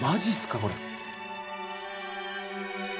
これ。